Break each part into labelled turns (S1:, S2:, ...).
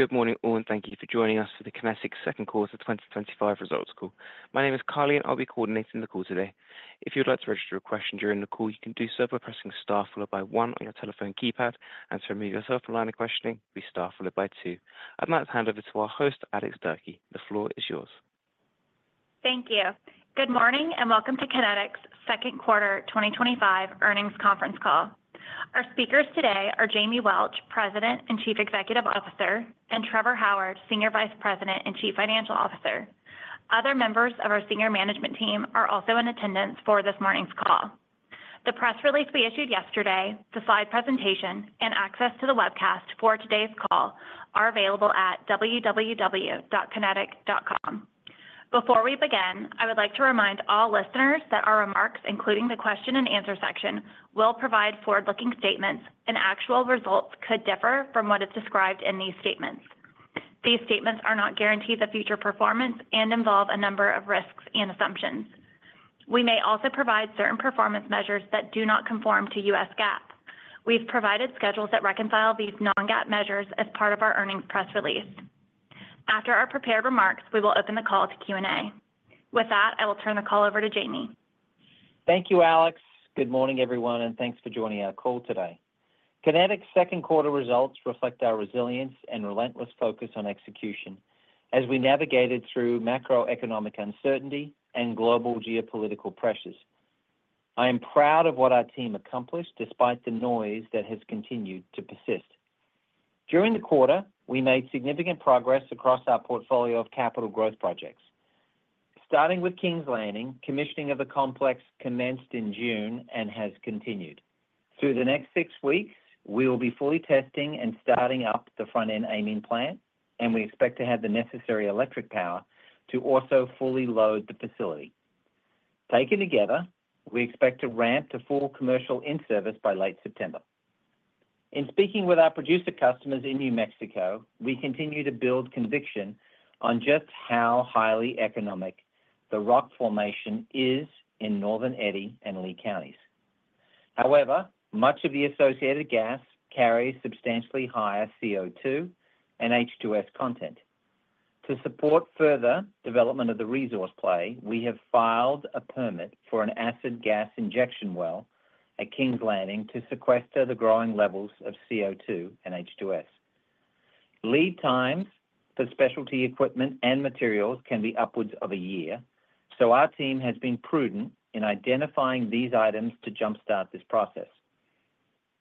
S1: Good morning all, and thank you for joining us for the Kinetik's Second Quarter 2025 Results Call. My name is Carly, and I'll be coordinating the call today. If you'd like to register a question during the call, you can do so by pressing Star followed by one on your telephone keypad, and to remove yourself from line of questioning, press Star followed by two. I'd like to hand over to our host, Alex Durkee. The floor is yours.
S2: Thank you. Good morning, and welcome to Kinetik's Second Quarter 2025 Earnings Conference Call. Our speakers today are Jamie Welch, President and Chief Executive Officer, and Trevor Howard, Senior Vice President and Chief Financial Officer. Other members of our senior management team are also in attendance for this morning's call. The press release we issued yesterday, the slide presentation, and access to the webcast for today's call are available at www.kinetik.com. Before we begin, I would like to remind all listeners that our remarks, including the question-and-answer section, will provide forward-looking statements, and actual results could differ from what is described in these statements. These statements are not guarantees of future performance and involve a number of risks and assumptions. We may also provide certain performance measures that do not conform to U.S. GAAP. We've provided schedules that reconcile these non-GAAP measures as part of our earnings press release. After our prepared remarks, we will open the call to Q&A. With that, I will turn the call over to Jamie.
S3: Thank you, Alex. Good morning, everyone, and thanks for joining our call today. Kinetik's second quarter results reflect our resilience and relentless focus on execution as we navigated through macroeconomic uncertainty and global geopolitical pressures. I am proud of what our team accomplished despite the noise that has continued to persist. During the quarter, we made significant progress across our portfolio of capital growth projects. Starting with King's Landing, commissioning of the complex commenced in June and has continued. Through the next six weeks, we will be fully testing and starting up the front-end amine plant, and we expect to have the necessary electric power to also fully load the facility. Taken together, we expect to ramp to full commercial in-service by late September. In speaking with our producer customers in New Mexico, we continue to build conviction on just how highly economic the rock formation is in northern Eddy and Lea counties. However, much of the associated gas carries substantially higher CO2 and H2S content. To support further development of the resource play, we have filed a permit for an acid gas injection well at King's Landing to sequester the growing levels of CO2 and H2S. Lead times for specialty equipment and materials can be upwards of a year, so our team has been prudent in identifying these items to jumpstart this process.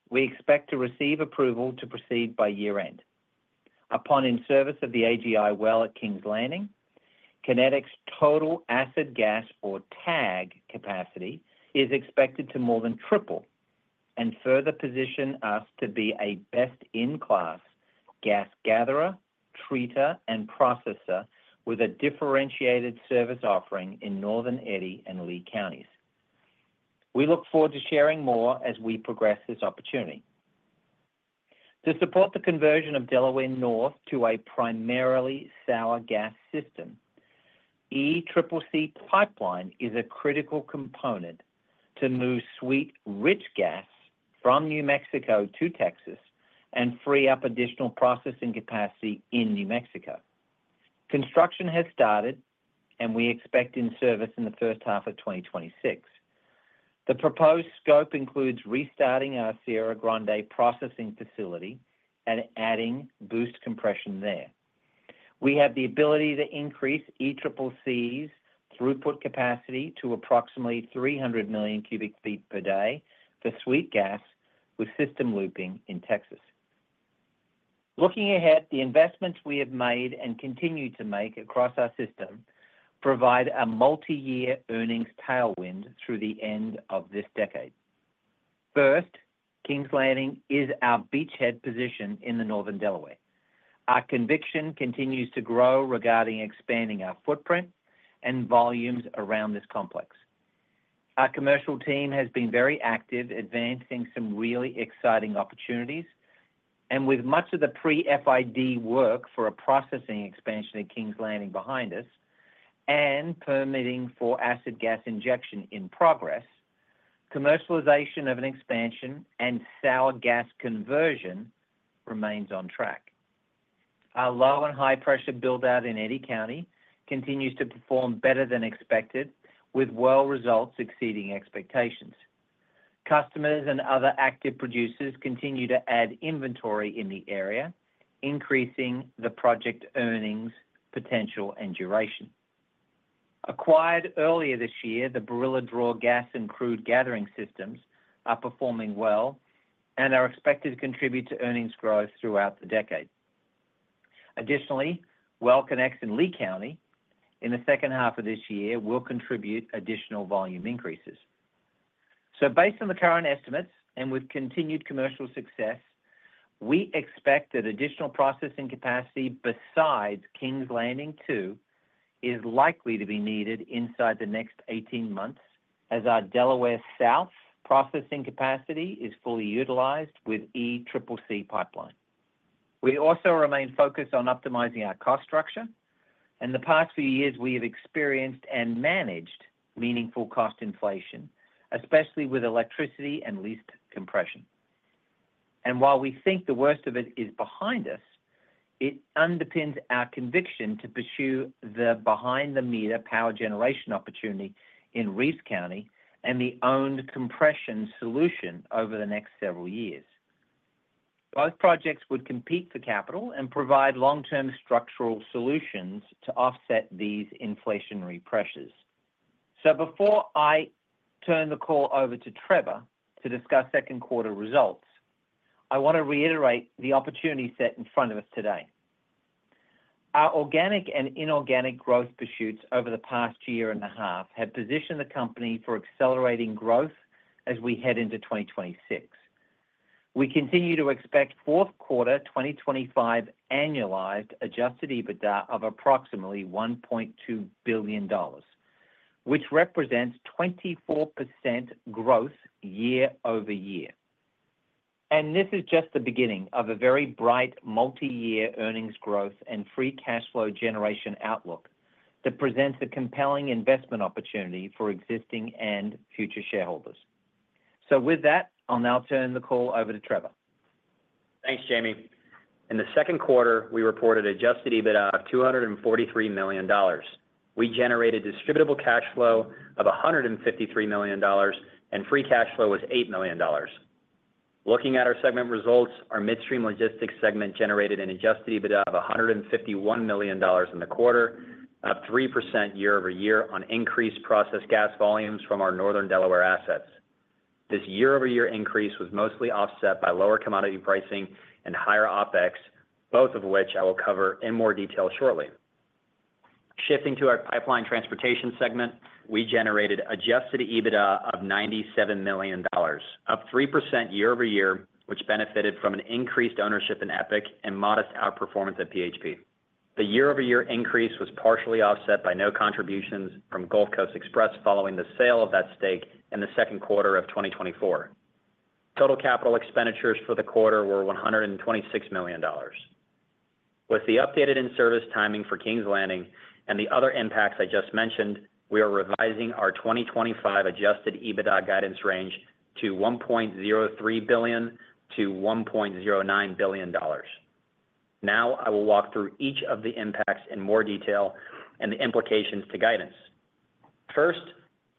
S3: We expect to receive approval to proceed by year-end. Upon in-service of the AGI well at King's Landing, Kinetik's total acid gas, or TAG, capacity is expected to more than triple and further position us to be a best-in-class gas gatherer, treater, and processor with a differentiated service offering in northern Eddy and Lea counties. We look forward to sharing more as we progress this opportunity. To support the conversion of Delaware North to a primarily sour gas system, ECCC pipeline is a critical component to move sweet, rich gas from New Mexico to Texas and free up additional processing capacity in New Mexico. Construction has started, and we expect in-service in the first half of 2026. The proposed scope includes restarting our Sierra Grande processing facility and adding boost compression there. We have the ability to increase ECCC's throughput capacity to approximately 300 million cu ft per day for sweet gas with system looping in Texas. Looking ahead, the investments we have made and continue to make across our system provide a multi-year earnings tailwind through the end of this decade. First, King's Landing is our beachhead position in the northern Delaware. Our conviction continues to grow regarding expanding our footprint and volumes around this complex. Our commercial team has been very active, advancing some really exciting opportunities, and with much of the pre-FID work for a processing expansion at King's Landing behind us and permitting for acid gas injection in progress, commercialization of an expansion and sour gas conversion remains on track. Our low and high-pressure build-out in Eddy County continues to perform better than expected, with well results exceeding expectations. Customers and other active producers continue to add inventory in the area, increasing the project earnings potential and duration. Acquired earlier this year, the Barilla Draw gas and crude gathering systems are performing well and are expected to contribute to earnings growth throughout the decade. Additionally, well connects in Lea County in the second half of this year will contribute additional volume increases. Based on the current estimates and with continued commercial success, we expect that additional processing capacity besides King's Landing 2 is likely to be needed inside the next 18 months as our Delaware South processing capacity is fully utilized with ECCC pipeline. We also remain focused on optimizing our cost structure, and in the past few years, we have experienced and managed meaningful cost inflation, especially with electricity and leased compression. While we think the worst of it is behind us, it underpins our conviction to pursue the behind-the-meter power generation opportunity in Reeves County and the owned compression solution over the next several years. Both projects would compete for capital and provide long-term structural solutions to offset these inflationary pressures. Before I turn the call over to Trevor to discuss second quarter results, I want to reiterate the opportunity set in front of us today. Our organic and inorganic growth pursuits over the past year and a half have positioned the company for accelerating growth as we head into 2026. We continue to expect fourth quarter 2025 annualized adjusted EBITDA of approximately $1.2 billion, which represents 24% growth year-over-year. This is just the beginning of a very bright multi-year earnings growth and free cash flow generation outlook that presents a compelling investment opportunity for existing and future shareholders. With that, I'll now turn the call over to Trevor.
S4: Thanks, Jamie. In the second quarter, we reported adjusted EBITDA of $243 million. We generated distributable cash flow of $153 million, and free cash flow was $8 million. Looking at our segment results, our midstream logistics segment generated an adjusted EBITDA of $151 million in the quarter, up 3% year-over-year on increased process gas volumes from our northern Delaware assets. This year-over-year increase was mostly offset by lower commodity pricing and higher OpEx, both of which I will cover in more detail shortly. Shifting to our pipeline transportation segment, we generated adjusted EBITDA of $97 million, up 3% year-over-year, which benefited from an increased ownership in Epic and modest outperformance at PHP. The year-over-year increase was partially offset by no contributions from Gulf Coast Express following the sale of that stake in the second quarter of 2024. Total capital expenditures for the quarter were $126 million. With the updated in-service timing for King's Landing and the other impacts I just mentioned, we are revising our 2025 adjusted EBITDA guidance range to $1.03 billion-$1.09 billion. Now, I will walk through each of the impacts in more detail and the implications to guidance. First,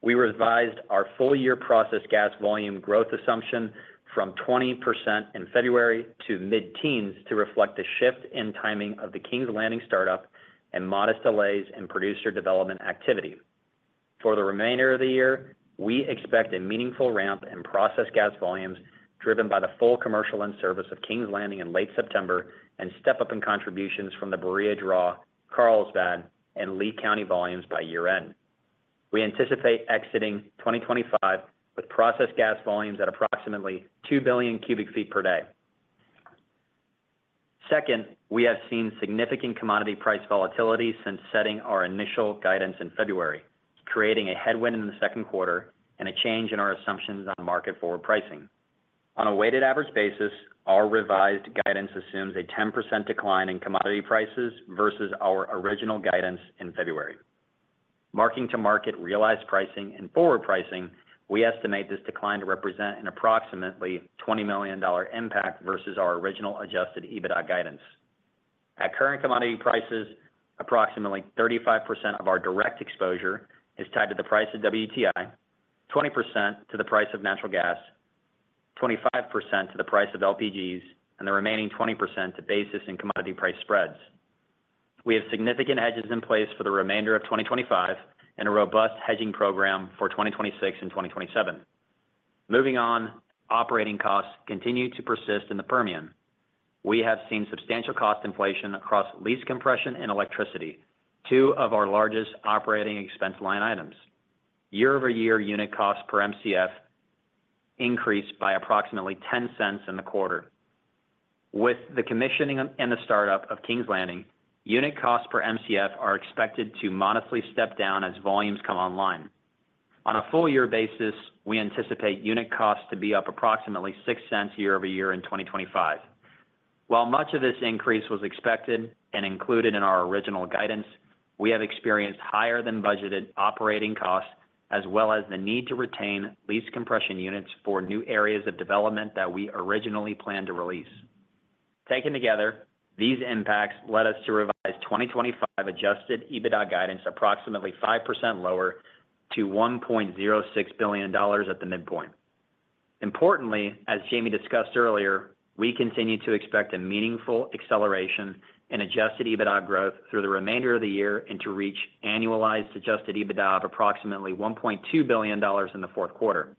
S4: we revised our full-year process gas volume growth assumption from 20% in February to mid-teens to reflect the shift in timing of the King's Landing startup and modest delays in producer development activity. For the remainder of the year, we expect a meaningful ramp in process gas volumes driven by the full commercial in-service of King's Landing in late September and step-up contributions from the Barilla Draw, Carlsbad, and Lea County volumes by year-end. We anticipate exiting 2025 with process gas volumes at approximately 2 billion cu ft per day. Second, we have seen significant commodity price volatility since setting our initial guidance in February, creating a headwind in the second quarter and a change in our assumptions on market forward pricing. On a weighted average basis, our revised guidance assumes a 10% decline in commodity prices versus our original guidance in February. Marking to market realized pricing and forward pricing, we estimate this decline to represent an approximately $20 million impact versus our original adjusted EBITDA guidance. At current commodity prices, approximately 35% of our direct exposure is tied to the price of WTI, 20% to the price of natural gas, 25% to the price of LPGs, and the remaining 20% to basis and commodity price spreads. We have significant hedges in place for the remainder of 2025 and a robust hedging program for 2026 and 2027. Moving on, operating costs continue to persist in the Permian. We have seen substantial cost inflation across lease compression and electricity, two of our largest operating expense line items. Year-over-year unit costs per MCF increased by approximately $0.10 in the quarter. With the commissioning and the startup of King's Landing, unit costs per MCF are expected to modestly step down as volumes come online. On a full-year basis, we anticipate unit costs to be up approximately $0.06 year-over-year in 2025. While much of this increase was expected and included in our original guidance, we have experienced higher than budgeted operating costs as well as the need to retain lease compression units for new areas of development that we originally planned to release. Taken together, these impacts led us to revise 2025 adjusted EBITDA guidance approximately 5% lower to $1.06 billion at the midpoint. Importantly, as Jamie Welch discussed earlier, we continue to expect a meaningful acceleration in adjusted EBITDA growth through the remainder of the year and to reach annualized adjusted EBITDA of approximately $1.2 billion in the fourth quarter.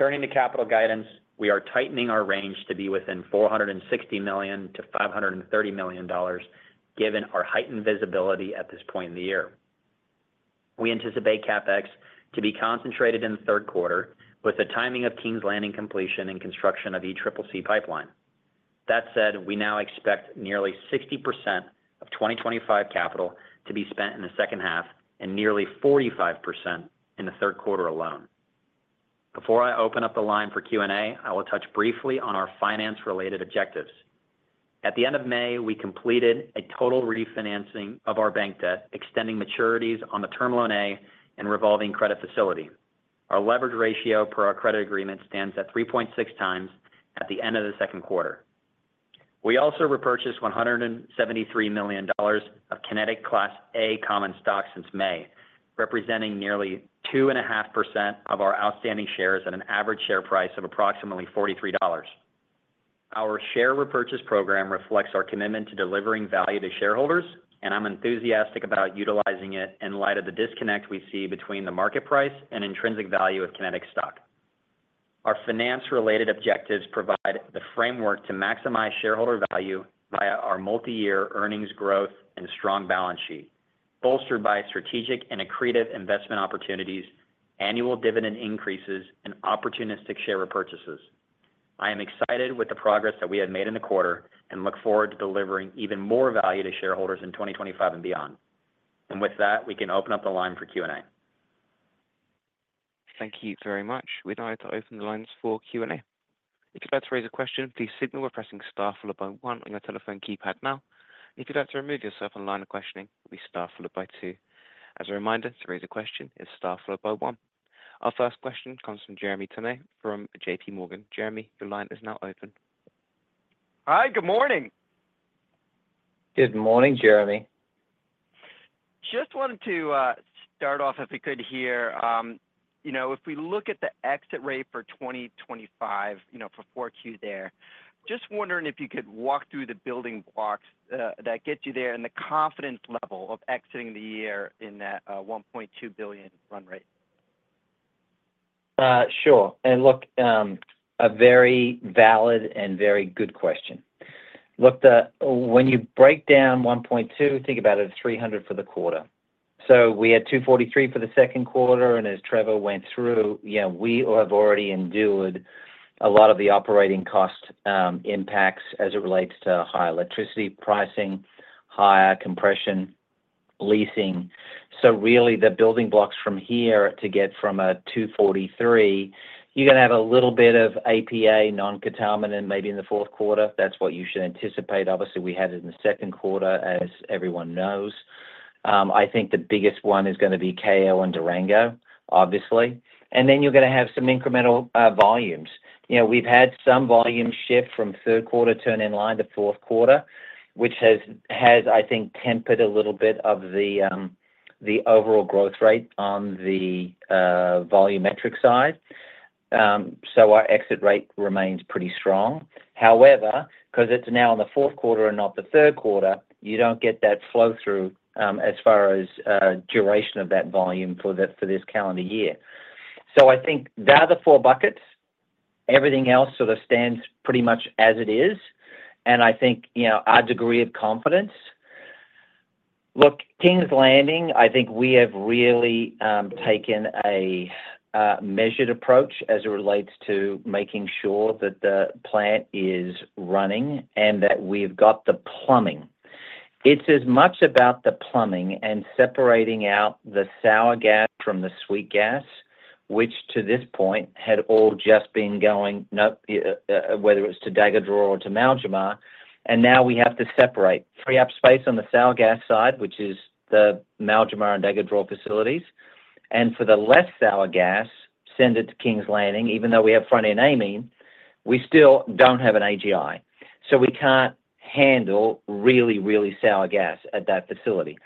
S4: Turning to capital guidance, we are tightening our range to be within $460 million-$530 million, given our heightened visibility at this point in the year. We anticipate CapEx to be concentrated in the third quarter with the timing of King's Landing completion and construction of ECCC pipeline. That said, we now expect nearly 60% of 2025 capital to be spent in the second half and nearly 45% in the third quarter alone. Before I open up the line for Q&A, I will touch briefly on our finance-related objectives. At the end of May, we completed a total refinancing of our bank debt, extending maturities on the Term Loan A and revolving credit facility. Our leverage ratio per our credit agreement stands at 3.6x at the end of the second quarter. We also repurchased $173 million of Kinetik Class A common stock since May, representing nearly 2.5% of our outstanding shares at an average share price of approximately $43. Our share repurchase program reflects our commitment to delivering value to shareholders, and I'm enthusiastic about utilizing it in light of the disconnect we see between the market price and intrinsic value of Kinetik stock. Our finance-related objectives provide the framework to maximize shareholder value via our multi-year earnings growth and strong balance sheet, bolstered by strategic and accretive investment opportunities, annual dividend increases, and opportunistic share repurchases. I am excited with the progress that we have made in the quarter and look forward to delivering even more value to shareholders in 2025 and beyond. With that, we can open up the line for Q&A.
S1: Thank you very much. We'd like to open the lines for Q&A. If you'd like to raise a question, please signal by pressing Star followed by one on your telephone keypad now. If you'd like to remove yourself from the line of questioning, it will be Star followed by two. As a reminder, to raise a question is Star followed by one. Our first question comes from Jeremy Tonet from JPMorgan. Jeremy, your line is now open.
S5: Hi, good morning.
S3: Good morning, Jeremy.
S5: Just wanted to start off if we could hear, you know, if we look at the exit rate for 2025, for Q4 there, just wondering if you could walk through the building blocks that get you there and the confidence level of exiting the year in that $1.2 billion run rate.
S3: Sure. A very valid and very good question. When you break down $1.2 billion, think about it at $300 million for the quarter. We had $243 million for the second quarter, and as Trevor went through, we have already endured a lot of the operating cost impacts as it relates to high electricity pricing, higher compression leasing. The building blocks from here to get from a $243 million, you're going to have a little bit of APA, non-competitive, and maybe in the fourth quarter, that's what you should anticipate. Obviously, we had it in the second quarter, as everyone knows. I think the biggest one is going to be KO and Durango, obviously. You're going to have some incremental volumes. We've had some volume shift from third quarter turn in line to fourth quarter, which has, I think, tempered a little bit of the overall growth rate on the volume metric side. Our exit rate remains pretty strong. However, because it's now in the fourth quarter and not the third quarter, you don't get that flow-through as far as duration of that volume for this calendar year. I think they're the four buckets. Everything else sort of stands pretty much as it is. Our degree of confidence—look, King's Landing, I think we have really taken a measured approach as it relates to making sure that the plant is running and that we've got the plumbing. It's as much about the plumbing and separating out the sour gas from the sweet gas, which to this point had all just been going, whether it's to Dagger Draw or to Maljamar. Now we have to separate, free up space on the sour gas side, which is the Maljamar and Dagger Draw facilities. For the less sour gas, send it to King's Landing, even though we have front-end amine, we still don't have an AGI well. We can't handle really, really sour gas at that facility.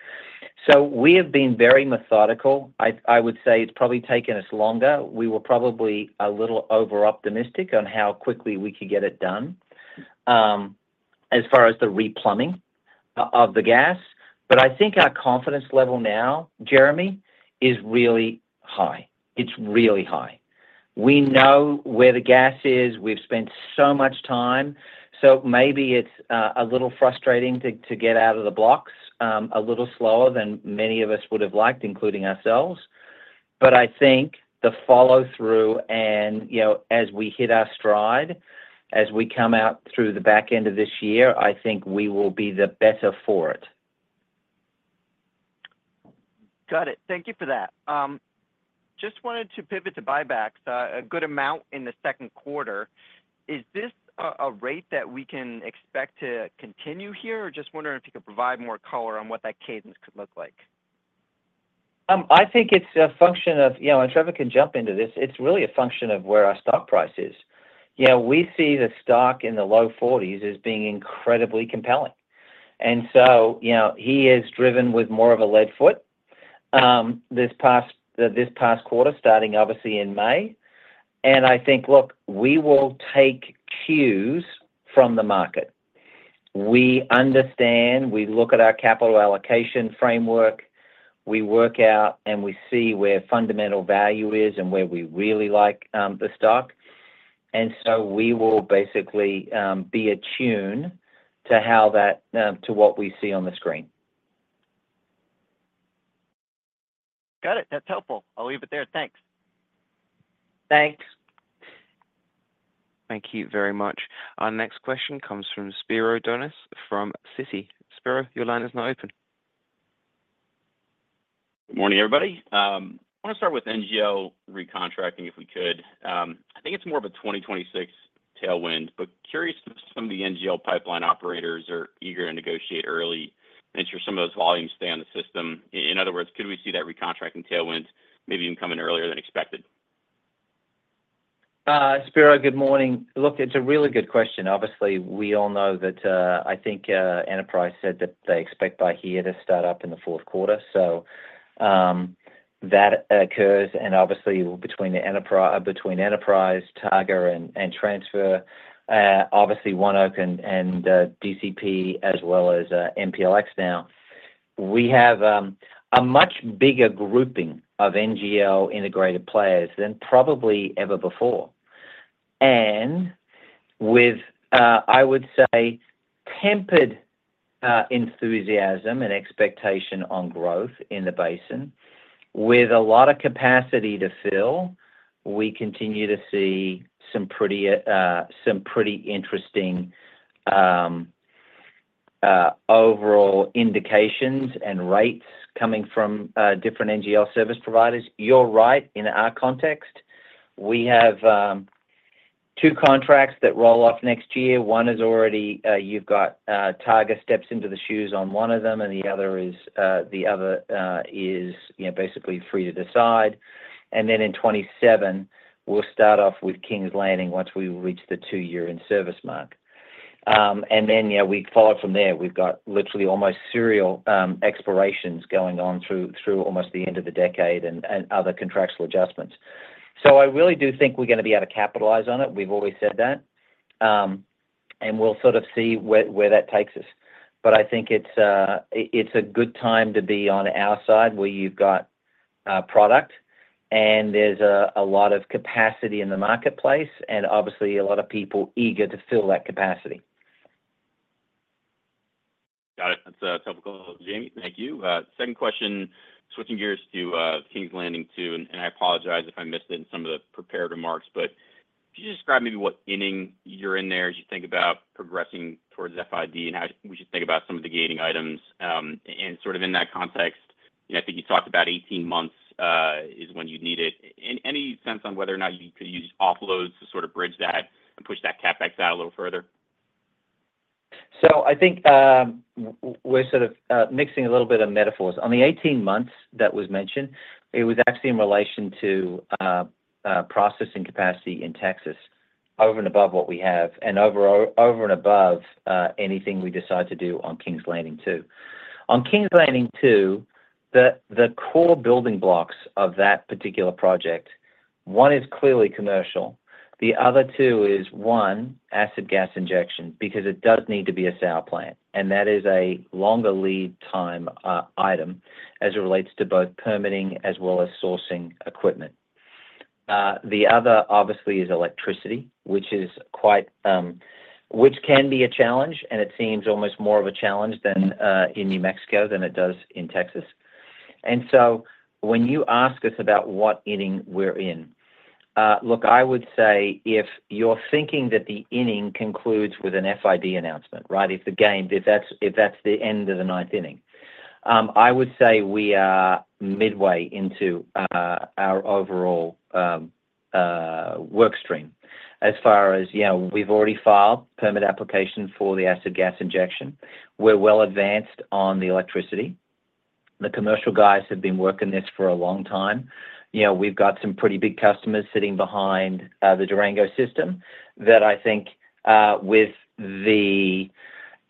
S3: We have been very methodical. I would say it's probably taken us longer. We were probably a little over-optimistic on how quickly we could get it done as far as the replumbing of the gas. I think our confidence level now, Jeremy, is really high. It's really high. We know where the gas is. We've spent so much time. Maybe it's a little frustrating to get out of the blocks a little slower than many of us would have liked, including ourselves. I think the follow-through and, as we hit our stride, as we come out through the back end of this year, we will be the better for it.
S5: Got it. Thank you for that. Just wanted to pivot to buybacks, a good amount in the second quarter. Is this a rate that we can expect to continue here? Just wondering if you could provide more color on what that cadence could look like.
S3: I think it's a function of, you know, and Trevor can jump into this. It's really a function of where our stock price is. We see the stock in the low $40s as being incredibly compelling. He is driven with more of a lead foot this past quarter, starting obviously in May. I think we will take cues from the market. We understand, we look at our capital allocation framework, we work out and we see where fundamental value is and where we really like the stock. We will basically be attuned to what we see on the screen.
S5: Got it. That's helpful. I'll leave it there. Thanks.
S3: Thanks.
S1: Thank you very much. Our next question comes from Spiro Dounis from Citi. Spiro, your line is now open.
S6: Good morning, everybody. I want to start with NGO recontracting if we could. I think it's more of a 2026 tailwind, but curious if some of the NGO pipeline operators are eager to negotiate early and ensure some of those volumes stay on the system. In other words, could we see that recontracting tailwind maybe even coming earlier than expected?
S3: Spiro, good morning. Look, it's a really good question. Obviously, we all know that I think Enterprise said that they expect Byer to start up in the fourth quarter. If that occurs, and obviously between Enterprise, Targa, and Energy Transfer, obviously ONEOK and DCP as well as MPLX now, we have a much bigger grouping of NGL integrated players than probably ever before. With, I would say, tempered enthusiasm and expectation on growth in the basin, with a lot of capacity to fill, we continue to see some pretty interesting overall indications and rates coming from different NGL service providers. You're right, in our context, we have two contracts that roll off next year. One is already, you've got Targa steps into the shoes on one of them, and the other is basically free to decide. In 2027, we'll start off with King's Landing once we reach the two-year in-service mark. We followed from there. We've got literally almost serial expirations going on through almost the end of the decade and other contractual adjustments. I really do think we're going to be able to capitalize on it. We've always said that. We'll sort of see where that takes us. I think it's a good time to be on our side where you've got product and there's a lot of capacity in the marketplace and obviously a lot of people eager to fill that capacity.
S6: Got it. That's topical. Jamie, thank you. Second question, switching gears to King's Landing too, and I apologize if I missed it in some of the prepared remarks, but could you describe maybe what inning you're in there as you think about progressing towards FID and how we should think about some of the gating items? In that context, I think you talked about 18 months is when you'd need it. Any sense on whether or not you could use offloads to sort of bridge that and push that CapEx down a little further?
S3: I think we're sort of mixing a little bit of metaphors. On the 18 months that was mentioned, it was actually in relation to processing capacity in Texas over and above what we have and over and above anything we decide to do on King's Landing 2. On King's Landing 2, the core building blocks of that particular project, one is clearly commercial. The other two is one, acid gas injection, because it does need to be a sour plant, and that is a longer lead time item as it relates to both permitting as well as sourcing equipment. The other obviously is electricity, which can be a challenge, and it seems almost more of a challenge in New Mexico than it does in Texas. When you ask us about what inning we're in, I would say if you're thinking that the inning concludes with an FID announcement, right? If the game, if that's the end of the ninth inning, I would say we are midway into our overall work stream. As far as, we've already filed permit application for the acid gas injection. We're well advanced on the electricity. The commercial guys have been working this for a long time. We've got some pretty big customers sitting behind the Durango system that I think with the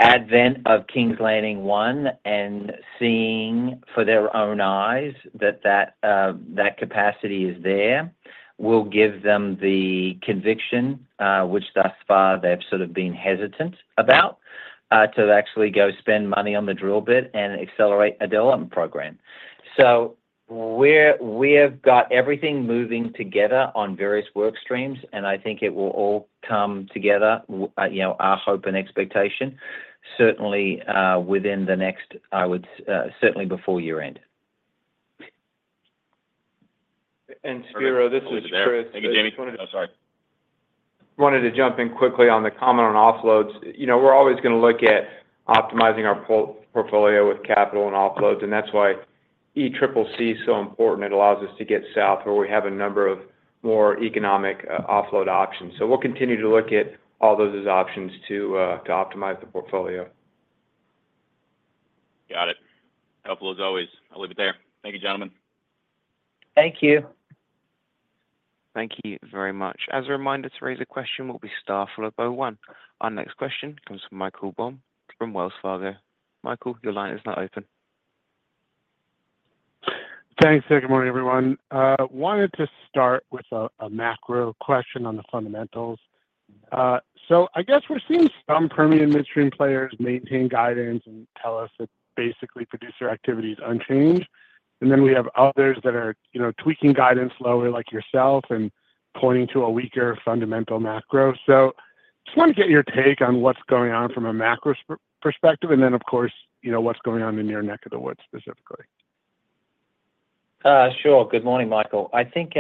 S3: advent of King's Landing 1 and seeing for their own eyes that that capacity is there will give them the conviction, which thus far they've sort of been hesitant about, to actually go spend money on the drill bit and accelerate a development program. We've got everything moving together on various work streams, and I think it will all come together, our hope and expectation, certainly within the next, I would say, certainly before year-end.
S7: Spiro, this is Chris. Thank you, Jamie. I wanted to jump in quickly on the comment on offloads. You know, we're always going to look at optimizing our portfolio with capital and offloads, and that's why ECCC is so important. It allows us to get south where we have a number of more economic offload options. We'll continue to look at all those as options to optimize the portfolio.
S6: Got it. Helpful as always. I'll leave it there. Thank you, gentlemen.
S3: Thank you.
S1: Thank you very much. As a reminder, to raise a question, please press Star followed by one. Our next question comes from Michael Beaum from Wells Fargo. Michael, your line is now open.
S8: Thanks. Good morning, everyone. I wanted to start with a macro question on the fundamentals. We're seeing some permitting midstream players maintain guidance and tell us that basically producer activity is unchanged. We have others that are, you know, tweaking guidance lower, like yourself, and pointing to a weaker fundamental macro. I just want to get your take on what's going on from a macro perspective, and then, of course, you know, what's going on in your neck of the woods specifically.
S3: Sure. Good morning, Michael. I think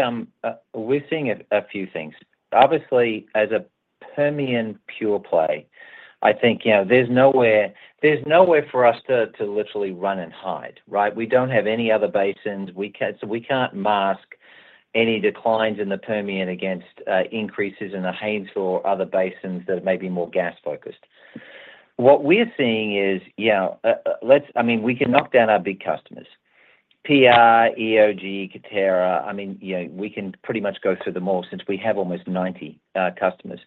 S3: we're seeing a few things. Obviously, as a Permian pure play, I think, you know, there's nowhere for us to literally run and hide, right? We don't have any other basins. We can't mask any declines in the Permian against increases in the Haynes or other basins that are maybe more gas focused. What we're seeing is, you know, let's, I mean, we can knock down our big customers. PR, EOG, Katera, I mean, you know, we can pretty much go through them all since we have almost 90 customers.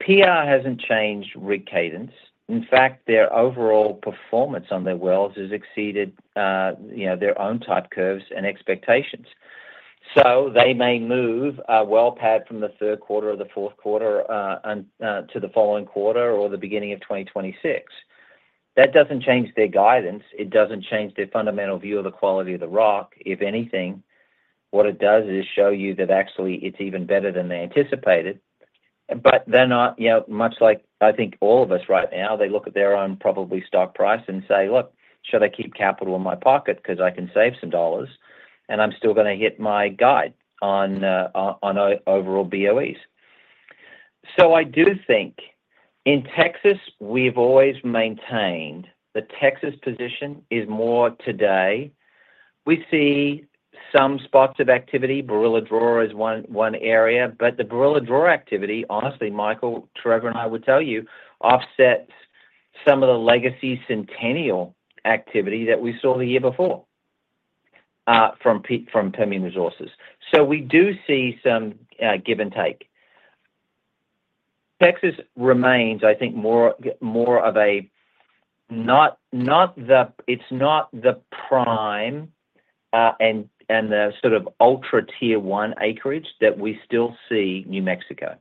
S3: PR hasn't changed rig cadence. In fact, their overall performance on their wells has exceeded, you know, their own type curves and expectations. They may move a well pad from the third quarter or the fourth quarter to the following quarter or the beginning of 2026. That doesn't change their guidance. It doesn't change their fundamental view of the quality of the rock. If anything, what it does is show you that actually it's even better than they anticipated. They're not, you know, much like I think all of us right now, they look at their own probably stock price and say, look, should I keep capital in my pocket because I can save some dollars and I'm still going to hit my guide on overall BOEs. I do think in Texas, we've always maintained the Texas position is more today. We see some spots of activity. Barilla Draw is one area, but the Barilla Draw activity, honestly, Michael, Trevor and I would tell you, offsets some of the legacy Centennial activity that we saw the year before from Permian Resources. We do see some give and take. Texas remains, I think, more of a, not the, it's not the prime and the sort of ultra Tier 1 acreage that we still see in New Mexico.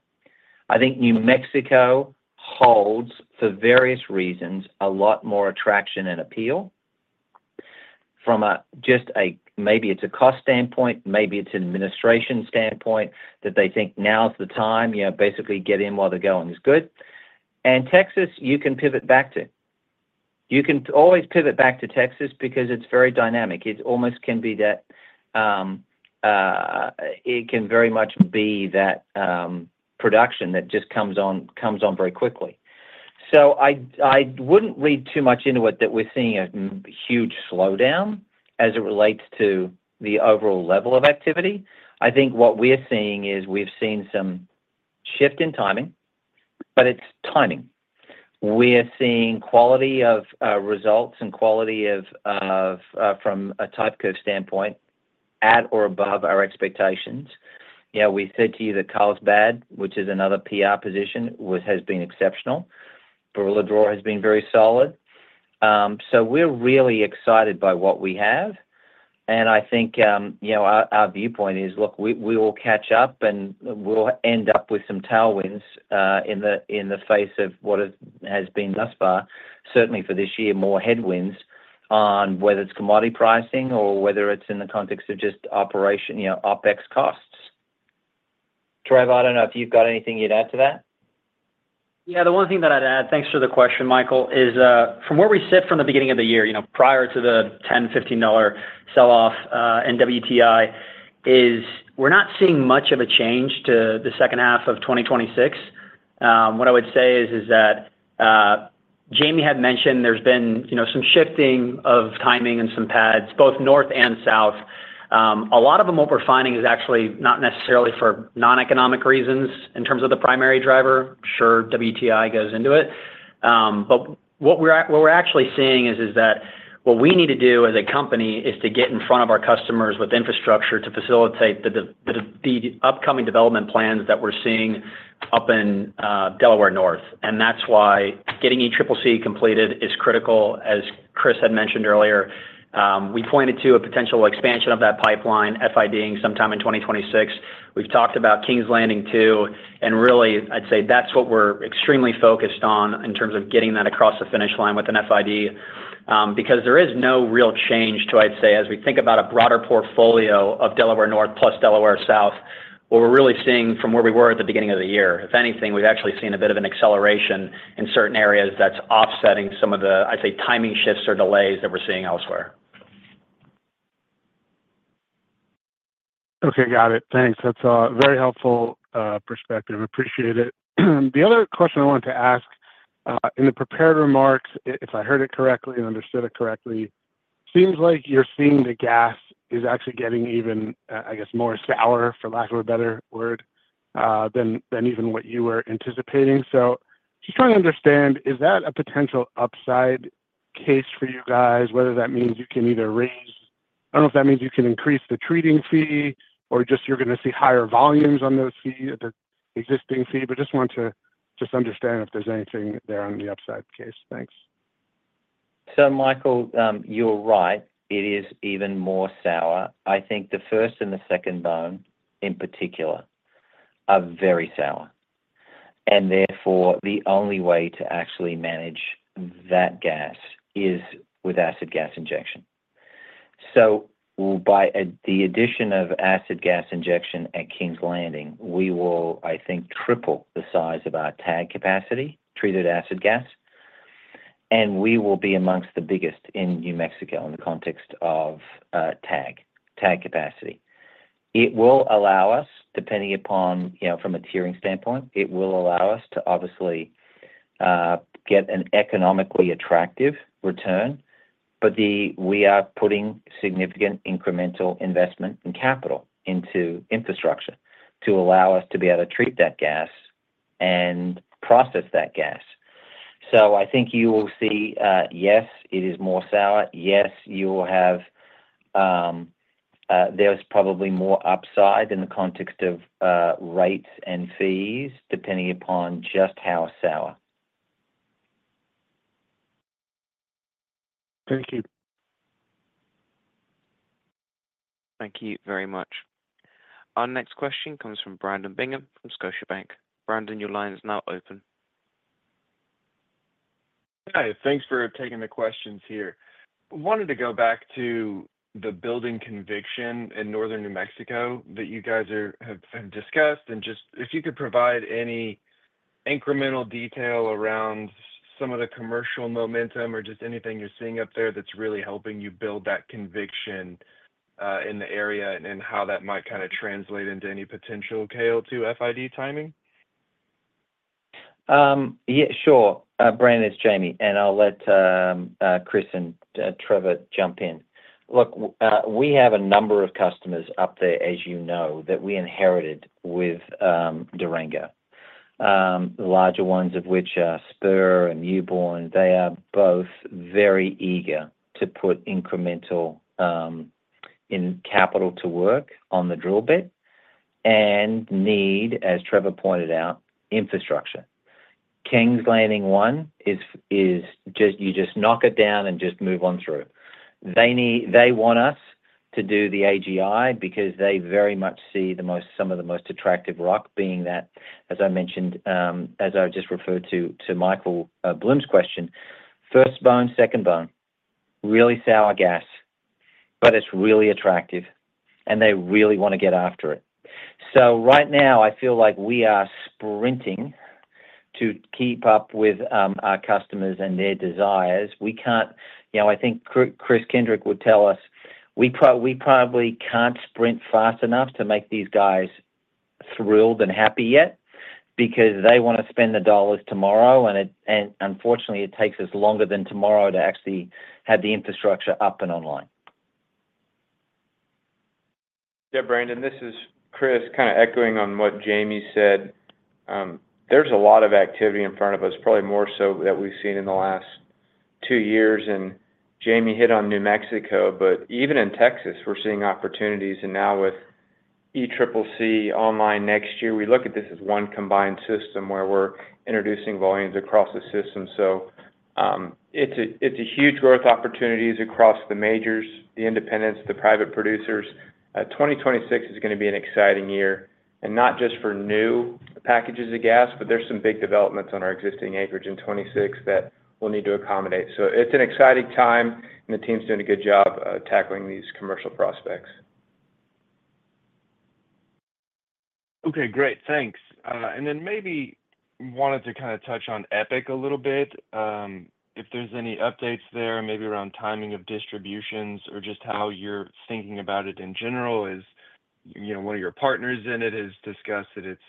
S3: I think New Mexico holds, for various reasons, a lot more attraction and appeal from just a, maybe it's a cost standpoint, maybe it's an administration standpoint that they think now's the time, you know, basically get in while the going is good. Texas, you can pivot back to. You can always pivot back to Texas because it's very dynamic. It almost can be that, it can very much be that production that just comes on very quickly. I wouldn't read too much into it that we're seeing a huge slowdown as it relates to the overall level of activity. I think what we're seeing is we've seen some shift in timing, but it's timing. We're seeing quality of results and quality of, from a type curve standpoint, at or above our expectations. You know, we said to you that Carlsbad, which is another PR position, has been exceptional. Barilla Draw has been very solid. We are really excited by what we have. I think our viewpoint is, look, we will catch up and we will end up with some tailwinds in the face of what has been thus far, certainly for this year, more headwinds on whether it's commodity pricing or whether it's in the context of just operation, you know, OpEx costs. Trevor, I don't know if you've got anything you'd add to that.
S4: Yeah, the one thing that I'd add, thanks for the question, Michael, is from where we sit from the beginning of the year, prior to the $10, $15 sell-off in WTI, is we're not seeing much of a change to the second half of 2026. What I would say is that Jamie had mentioned there's been some shifting of timing and some pads, both north and south. A lot of them, what we're finding is actually not necessarily for non-economic reasons in terms of the primary driver. Sure, WTI goes into it. What we're actually seeing is that what we need to do as a company is to get in front of our customers with infrastructure to facilitate the upcoming development plans that we're seeing up in Delaware North. That's why getting ECCC completed is critical, as Kris had mentioned earlier. We pointed to a potential expansion of that pipeline, FID, sometime in 2026. We've talked about King's Landing too, and really, I'd say that's what we're extremely focused on in terms of getting that across the finish line with an FID, because there is no real change to, I'd say, as we think about a broader portfolio of Delaware North plus Delaware South, what we're really seeing from where we were at the beginning of the year. If anything, we've actually seen a bit of an acceleration in certain areas that's offsetting some of the, I'd say, timing shifts or delays that we're seeing elsewhere.
S8: Okay, got it. Thanks. That's a very helpful perspective. Appreciate it. The other question I wanted to ask, in the prepared remarks, if I heard it correctly and understood it correctly, it seems like you're seeing the gas is actually getting even, I guess, more sour, for lack of a better word, than even what you were anticipating. Just trying to understand, is that a potential upside case for you guys, whether that means you can either raise, I don't know if that means you can increase the treating fee, or just you're going to see higher volumes on the fee, the existing fee, just want to understand if there's anything there on the upside case. Thanks.
S3: Michael, you're right. It is even more sour. I think the first and the second bone in particular are very sour. Therefore, the only way to actually manage that gas is with acid gas injection. By the addition of acid gas injection at King's Landing, we will, I think, triple the size of our TAG capacity, treated acid gas, and we will be amongst the biggest in New Mexico in the context of TAG capacity. It will allow us, depending upon, you know, from a tiering standpoint, to obviously get an economically attractive return, but we are putting significant incremental investment in capital into infrastructure to allow us to be able to treat that gas and process that gas. I think you will see, yes, it is more sour. Yes, you will have, there's probably more upside in the context of rates and fees, depending upon just how sour.
S8: Thank you.
S1: Thank you very much. Our next question comes from Brandon Bingham from Scotiabank Global Banking and Markets. Brandon, your line is now open.
S9: Hi, thanks for taking the questions here. I wanted to go back to the building conviction in northern New Mexico that you guys have discussed, and if you could provide any incremental detail around some of the commercial momentum or anything you're seeing up there that's really helping you build that conviction in the area and how that might kind of translate into any potential KO2 FID timing.
S3: Yeah, sure. Brandon, it's Jamie, and I'll let Chris and Trevor jump in. Look, we have a number of customers up there, as you know, that we inherited with Durango, the larger ones of which are Spur and Newborn. They are both very eager to put incremental capital to work on the drill bit and need, as Trevor pointed out, infrastructure. King's Landing 1 is just, you just knock it down and just move on through. They need, they want us to do the AGI because they very much see some of the most attractive rock being that, as I mentioned, as I've just referred to Michael Blum's question, first bone, second bone, really sour gas, but it's really attractive, and they really want to get after it. Right now, I feel like we are sprinting to keep up with our customers and their desires. I think Chris Kendrick would tell us we probably can't sprint fast enough to make these guys thrilled and happy yet because they want to spend the dollars tomorrow, and unfortunately, it takes us longer than tomorrow to actually have the infrastructure up and online.
S7: Yeah, Brandon, this is Chris, kind of echoing on what Jamie said. There's a lot of activity in front of us, probably more so than we've seen in the last two years, and Jamie hit on New Mexico, but even in Texas, we're seeing opportunities. Now with ECCC online next year, we look at this as one combined system where we're introducing volumes across the system. It's a huge growth opportunity across the majors, the independents, the private producers. 2026 is going to be an exciting year, not just for new packages of gas, but there's some big developments on our existing acreage in 2026 that we'll need to accommodate. It's an exciting time, and the team's doing a good job tackling these commercial prospects. Okay, great. Thanks. Maybe wanted to kind of touch on Epic a little bit. If there's any updates there, maybe around timing of distributions or just how you're thinking about it in general, one of your partners in it has discussed that it's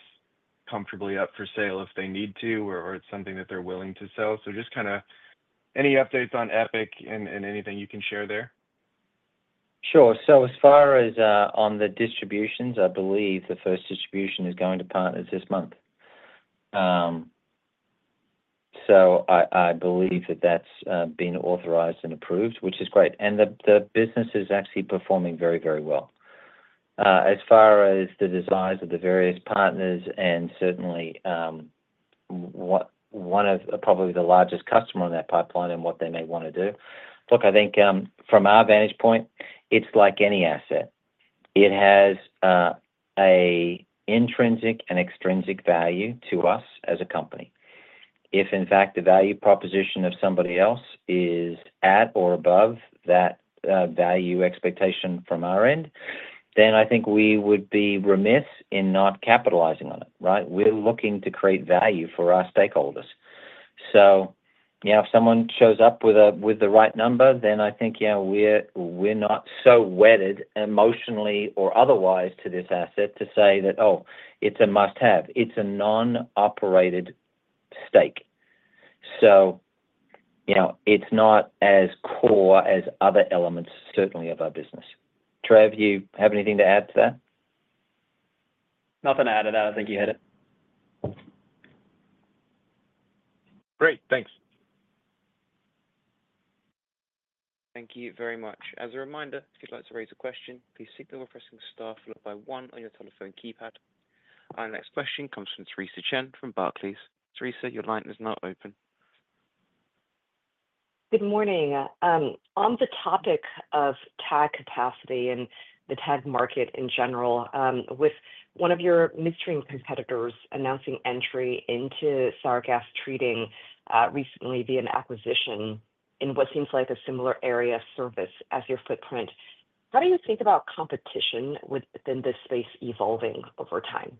S7: comfortably up for sale if they need to, or it's something that they're willing to sell. Just kind of any updates on Epic and anything you can share there.
S3: Sure. As far as on the distributions, I believe the first distribution is going to partners this month. I believe that that's been authorized and approved, which is great. The business is actually performing very, very well. As far as the desires of the various partners and certainly one of probably the largest customers on their pipeline and what they may want to do, look, I think from our vantage point, it's like any asset. It has an intrinsic and extrinsic value to us as a company. If, in fact, the value proposition of somebody else is at or above that value expectation from our end, I think we would be remiss in not capitalizing on it, right? We're looking to create value for our stakeholders. If someone shows up with the right number, I think we're not so wedded emotionally or otherwise to this asset to say that, oh, it's a must-have. It's a non-operated stake, so it's not as core as other elements, certainly of our business. Trevor, do you have anything to add to that?
S4: Nothing to add to that. I think you hit it.
S3: Great, thanks.
S1: Thank you very much. As a reminder, if you'd like to raise a question, please signal the rest of the staff by one on your telephone keypad. Our next question comes from Theresa Chen from Barclays. Theresa, your line is now open.
S10: Good morning. On the topic of TAG capacity and the TAG market in general, with one of your midstream competitors announcing entry into sour gas treating recently via an acquisition in what seems like a similar area of service as your footprint, how do you think about competition within this space evolving over time?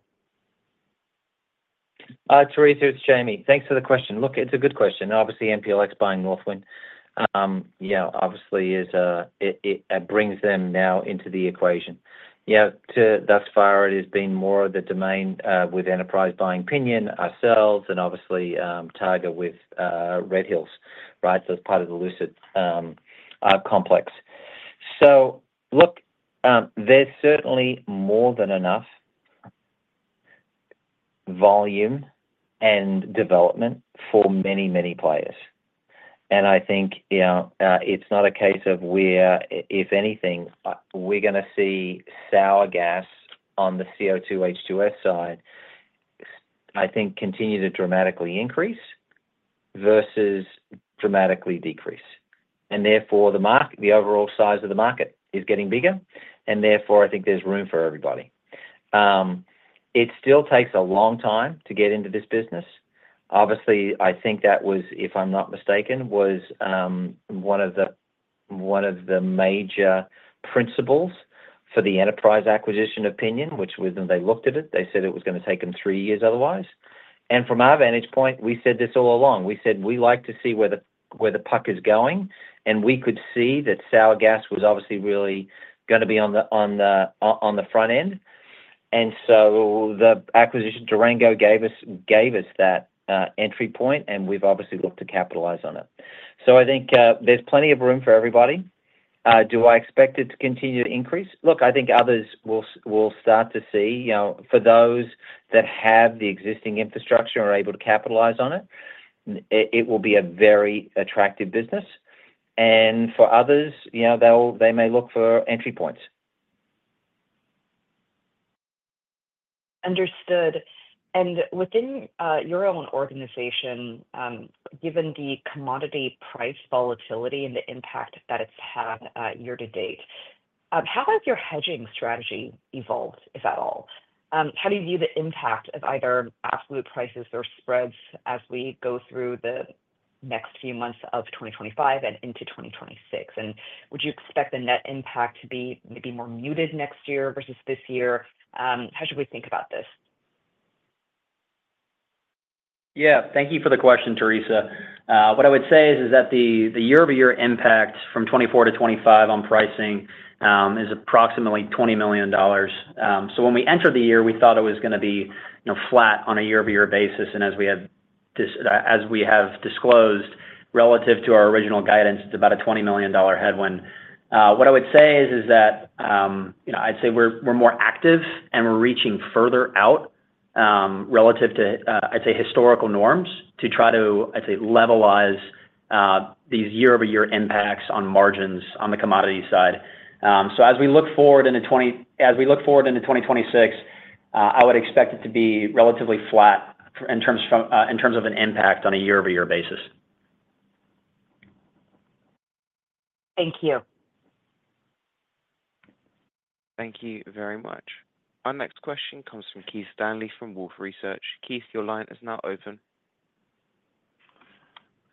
S3: Teresa, it's Jamie. Thanks for the question. It's a good question. Obviously, MPLX buying Northwind brings them now into the equation. Thus far, it has been more of the domain with Enterprise buying Pinion, ourselves, and Tiger with Red Hills, right? That's part of the Lucid complex. There's certainly more than enough volume and development for many, many players. I think it's not a case of where, if anything, we're going to see sour gas on the CO2 H2S side, I think, continue to dramatically increase versus dramatically decrease. Therefore, the market, the overall size of the market is getting bigger. I think there's room for everybody. It still takes a long time to get into this business. I think that was, if I'm not mistaken, one of the major principles for the Enterprise acquisition of Pinion, which was when they looked at it, they said it was going to take them three years otherwise. From our vantage point, we said this all along. We said we like to see where the puck is going, and we could see that sour gas was really going to be on the front end. The acquisition of Durango gave us that entry point, and we've looked to capitalize on it. I think there's plenty of room for everybody. Do I expect it to continue to increase? I think others will start to see, for those that have the existing infrastructure and are able to capitalize on it, it will be a very attractive business. For others, they may look for entry points.
S10: Understood. Within your own organization, given the commodity price volatility and the impact that it's had year to date, how has your hedging strategy evolved, if at all? How do you view the impact of either fluid prices or spreads as we go through the next few months of 2025 and into 2026? Would you expect the net impact to be maybe more muted next year versus this year? How should we think about this?
S3: Yeah, thank you for the question, Theresa. What I would say is that the year-over-year impact from 2024-2025 on pricing is approximately $20 million. When we entered the year, we thought it was going to be flat on a year-over-year basis. As we have disclosed, relative to our original guidance, it's about a $20 million headwind. What I would say is that we're more active and we're reaching further out relative to historical norms to try to levelize these year-over-year impacts on margins on the commodity side. As we look forward into 2026, I would expect it to be relatively flat in terms of an impact on a year-over-year basis.
S10: Thank you.
S1: Thank you very much. Our next question comes from Keith Stanley from Wolfe Research LLC. Keith, your line is now open.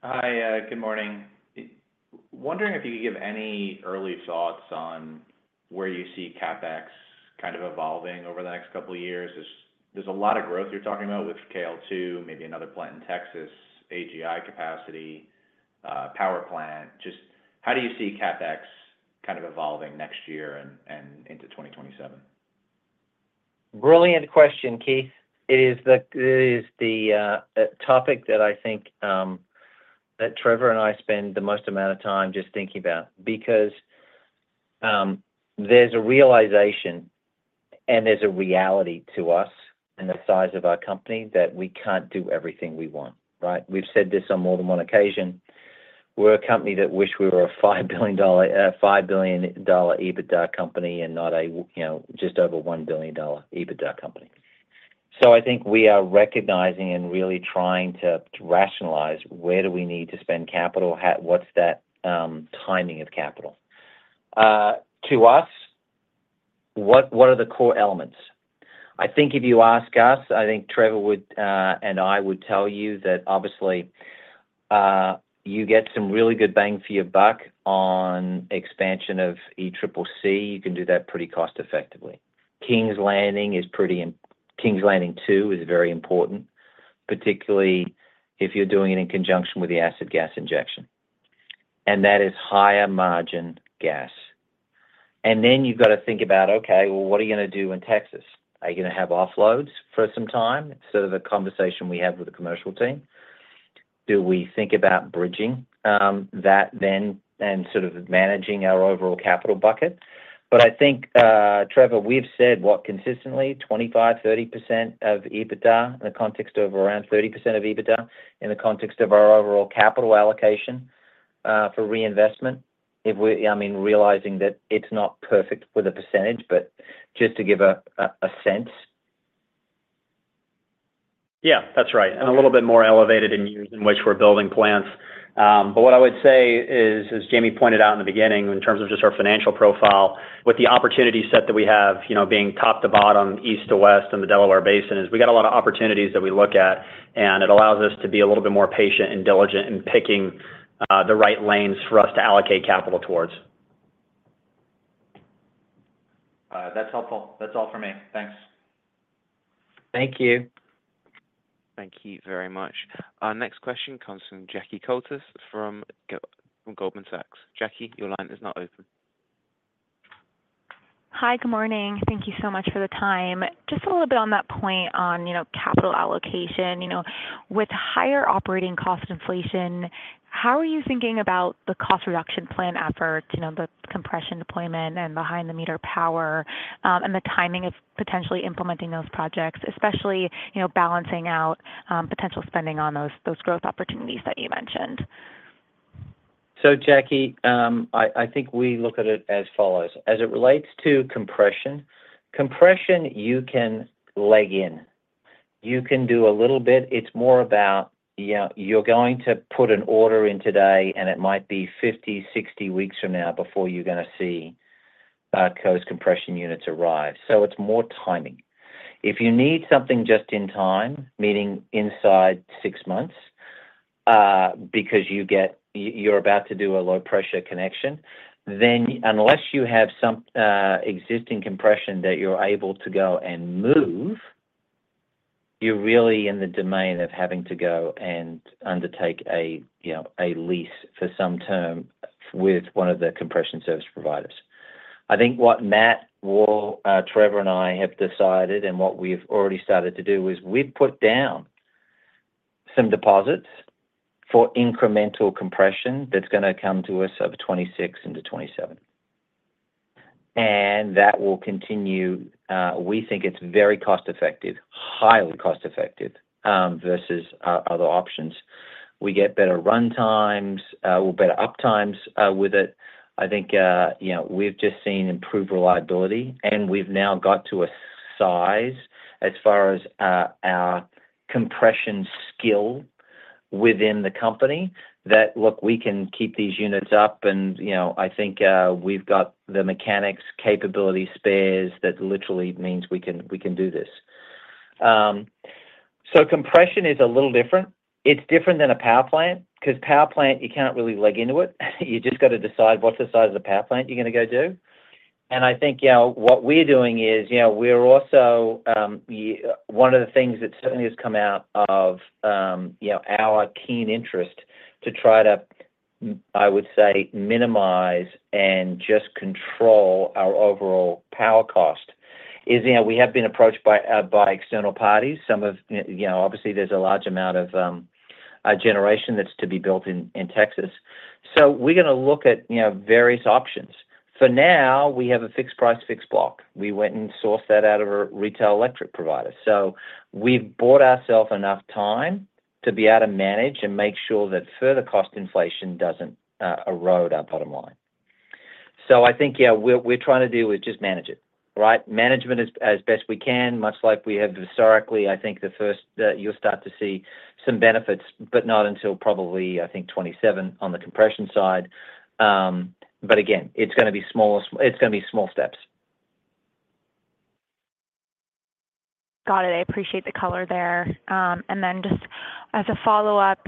S11: Hi, good morning. Wondering if you could give any early thoughts on where you see CapEx kind of evolving over the next couple of years. There's a lot of growth you're talking about with KL2, maybe another plant in Texas, AGI capacity, power plant. Just how do you see CapEx kind of evolving next year and into 2027?
S3: Brilliant question, Keith. It is the topic that I think Trevor and I spend the most amount of time just thinking about because there's a realization and there's a reality to us and the size of our company that we can't do everything we want, right? We've said this on more than one occasion. We're a company that wished we were a $5 billion EBITDA company and not a, you know, just over $1 billion EBITDA company. I think we are recognizing and really trying to rationalize where do we need to spend capital, what's that timing of capital. To us, what are the core elements? I think if you ask us, I think Trevor and I would tell you that obviously you get some really good bang for your buck on expansion of ECCC. You can do that pretty cost-effectively. King's Landing is pretty, King's Landing 2 is very important, particularly if you're doing it in conjunction with the acid gas injection. That is higher margin gas. You've got to think about, okay, what are you going to do in Texas? Are you going to have offloads for some time instead of a conversation we have with the commercial team? Do we think about bridging that then and sort of managing our overall capital bucket? I think, Trevor, we've said what consistently, 25%, 30% of EBITDA in the context of around 30% of EBITDA in the context of our overall capital allocation for reinvestment. I mean, realizing that it's not perfect with a percentage, but just to give a sense.
S4: Yeah, that's right. It's a little bit more elevated in which we're building plants. What I would say is, as Jamie pointed out in the beginning, in terms of just our financial profile, with the opportunity set that we have, you know, being top to bottom, east to west, and the Delaware Basin, is we got a lot of opportunities that we look at, and it allows us to be a little bit more patient and diligent in picking the right lanes for us to allocate capital towards.
S6: That's helpful. That's all for me. Thanks.
S3: Thank you.
S1: Thank you very much. Our next question comes from Jacqueline Koletas from Goldman Sachs. Jacqueline, your line is now open.
S12: Hi, good morning. Thank you so much for the time. Just a little bit on that point on, you know, capital allocation. With higher operating cost inflation, how are you thinking about the cost reduction plan effort, the compression deployment and behind-the-meter power, and the timing of potentially implementing those projects, especially balancing out potential spending on those growth opportunities that you mentioned?
S3: Jackie, I think we look at it as follows. As it relates to compression, compression, you can leg in. You can do a little bit. It's more about, you know, you're going to put an order in today, and it might be 50, 60 weeks from now before you're going to see those compression units arrive. It's more timing. If you need something just in time, meaning inside six months, because you're about to do a low-pressure connection, then unless you have some existing compression that you're able to go and move, you're really in the domain of having to go and undertake a lease for some term with one of the compression service providers. I think what Matt Wall, Trevor, and I have decided, and what we've already started to do is we've put down some deposits for incremental compression that's going to come to us in 2026 into 2027. That will continue. We think it's very cost-effective, highly cost-effective versus other options. We get better run times or better uptimes with it. I think we've just seen improved reliability, and we've now got to a size as far as our compression skill within the company that, look, we can keep these units up. I think we've got the mechanics capability spares that literally means we can do this. Compression is a little different. It's different than a power plant because power plant, you can't really leg into it. You just got to decide what's the size of the power plant you're going to go do. I think what we're doing is, we're also, one of the things that certainly has come out of our keen interest to try to, I would say, minimize and just control our overall power cost is, we have been approached by external parties. Some of, you know, obviously there's a large amount of generation that's to be built in Texas. We're going to look at various options. For now, we have a fixed price, fixed block. We went and sourced that out of a retail electric provider. We've bought ourselves enough time to be able to manage and make sure that further cost inflation doesn't erode our bottom line. I think what we're trying to do is just manage it, right? Management as best we can, much like we have historically. I think the first, you'll start to see some benefits, but not until probably, I think, 2027 on the compression side. Again, it's going to be small, it's going to be small steps.
S10: Got it. I appreciate the color there. Just as a follow-up,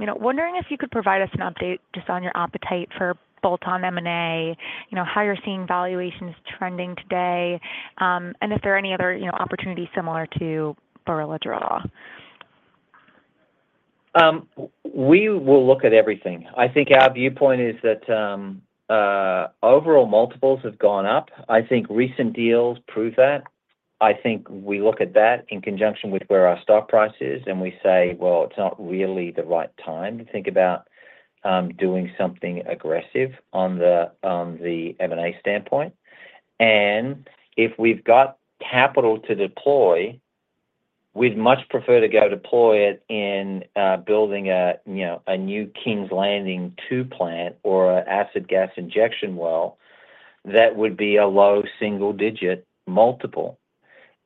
S10: you know, wondering if you could provide us an update just on your appetite for bolt-on M&A, you know, how you're seeing valuations trending today, and if there are any other, you know, opportunities similar to Barilla Draw.
S3: We will look at everything. I think our viewpoint is that overall multiples have gone up. I think recent deals prove that. I think we look at that in conjunction with where our stock price is, and we say it's not really the right time to think about doing something aggressive on the M&A standpoint. If we've got capital to deploy, we'd much prefer to go deploy it in building a new King's Landing 2 plant or an acid gas injection well that would be a low single-digit multiple.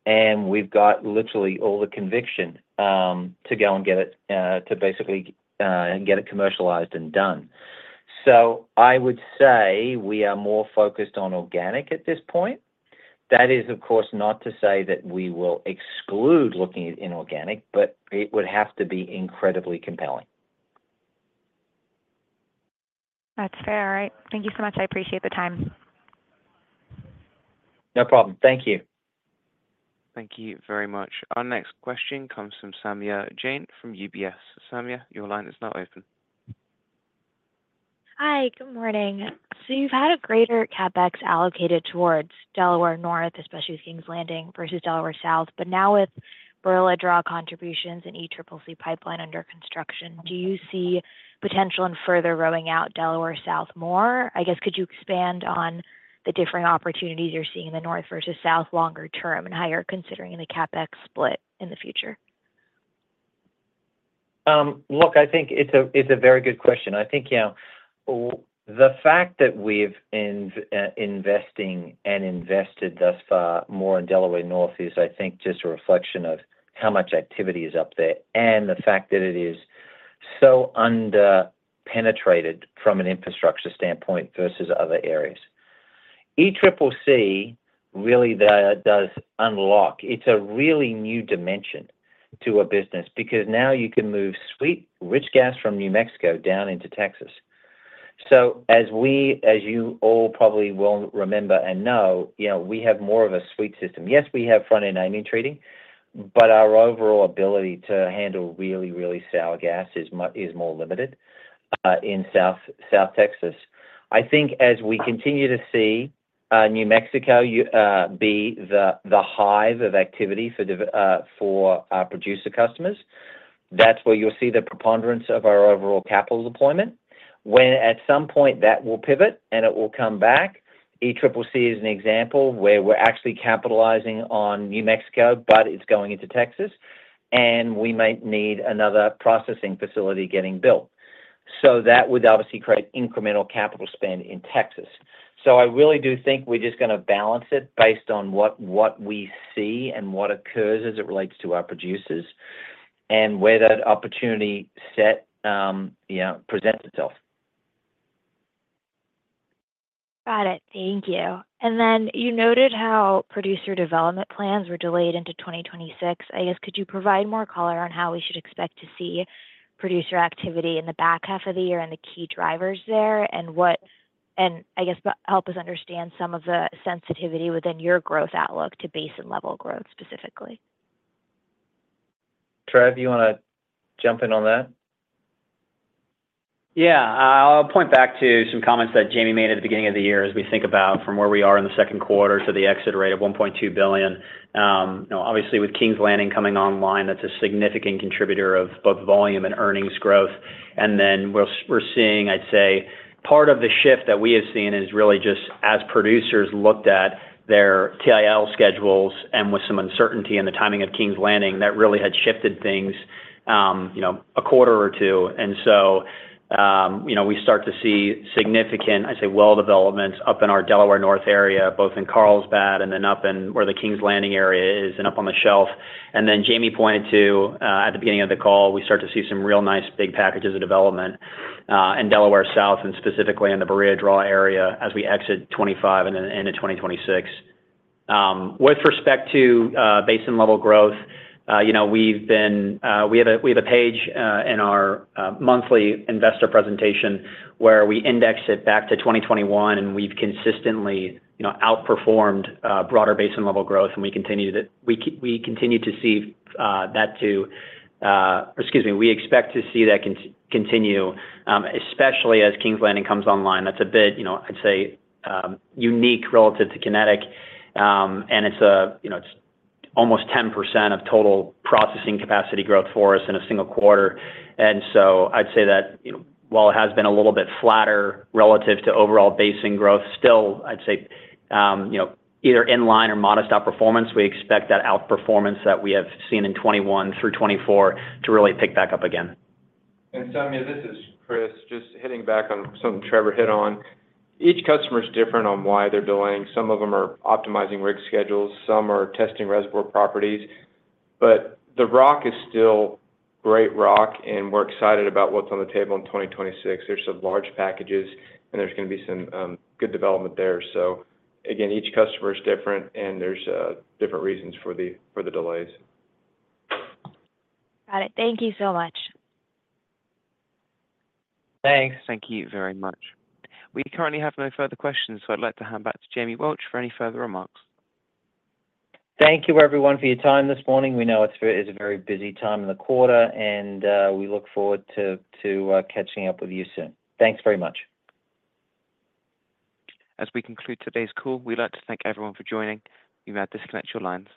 S3: We've got literally all the conviction to go and get it, to basically get it commercialized and done. I would say we are more focused on organic at this point. That is, of course, not to say that we will exclude looking at inorganic, but it would have to be incredibly compelling.
S10: That's fair. All right, thank you so much. I appreciate the time.
S3: No problem. Thank you.
S1: Thank you very much. Our next question comes from Saumya Jain from UBS Investment Bank. Saumya, your line is now open.
S13: Hi, good morning. You've had a greater CapEx allocated towards Delaware North, especially King's Landing, versus Delaware South. Now with Barilla Draw contributions and the ECCC pipeline under construction, do you see potential in further growing out Delaware South more? Could you expand on the differing opportunities you're seeing in the North versus South longer term and how you're considering the CapEx split in the future?
S3: Look, I think it's a very good question. I think the fact that we've invested and invested thus far more in Delaware North is just a reflection of how much activity is up there and the fact that it is so underpenetrated from an infrastructure standpoint versus other areas. ECCC really does unlock, it's a really new dimension to a business because now you can move sweet, rich gas from New Mexico down into Texas. As you all probably will remember and know, we have more of a sweet system. Yes, we have front-end amine treating, but our overall ability to handle really, really sour gas is more limited in South Texas. I think as we continue to see New Mexico be the hive of activity for our producer customers, that's where you'll see the preponderance of our overall capital deployment. At some point that will pivot and it will come back, ECCC is an example where we're actually capitalizing on New Mexico, but it's going into Texas, and we might need another processing facility getting built. That would obviously create incremental capital spend in Texas. I really do think we're just going to balance it based on what we see and what occurs as it relates to our producers and where that opportunity set presents itself.
S10: Got it. Thank you. You noted how producer development plans were delayed into 2026. Could you provide more color on how we should expect to see producer activity in the back half of the year and the key drivers there? Help us understand some of the sensitivity within your growth outlook to basin level growth specifically.
S3: Trevor, do you want to jump in on that?
S4: Yeah, I'll point back to some comments that Jamie Welch made at the beginning of the year as we think about from where we are in the second quarter. The exit rate of $1.2 billion, you know, obviously with King's Landing coming online, that's a significant contributor of both volume and earnings growth. We're seeing, I'd say, part of the shift that we have seen is really just as producers looked at their TIL schedules and with some uncertainty in the timing of King's Landing, that really had shifted things a quarter or two. You know, we start to see significant, I'd say, well developments up in our Delaware North area, both in Carlsbad and then up in where the King's Landing area is and up on the shelf. Jamie Welch pointed to, at the beginning of the call, we start to see some real nice big packages of development in Delaware South and specifically in the Barilla Draw area as we exit 2025 and into 2026. With respect to basin level growth, you know, we have a page in our monthly investor presentation where we index it back to 2021 and we've consistently outperformed broader basin level growth and we continue to see that too, or excuse me, we expect to see that continue, especially as King's Landing comes online. That's a bit, you know, I'd say, unique relative to Kinetik. It's almost 10% of total processing capacity growth for us in a single quarter. I'd say that, you know, while it has been a little bit flatter relative to overall basin growth, still, I'd say, either in line or modest outperformance, we expect that outperformance that we have seen in 2021 through 2024 to really pick back up again.
S7: Chris, just hitting back on something Trevor hit on, each customer's different on why they're delaying. Some of them are optimizing rig schedules, some are testing reservoir properties, but the rock is still great rock and we're excited about what's on the table in 2026. There are some large packages and there's going to be some good development there. Each customer's different and there's different reasons for the delays.
S10: Got it. Thank you so much.
S3: Thanks.
S1: Thank you very much. We currently have no further questions, so I'd like to hand back to Jamie Welch for any further remarks.
S3: Thank you, everyone, for your time this morning. We know it's a very busy time in the quarter, and we look forward to catching up with you soon. Thanks very much.
S1: As we conclude today's call, we'd like to thank everyone for joining. You may disconnect your lines.